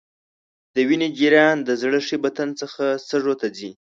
د وینې جریان د زړه ښي بطن څخه سږو ته ځي.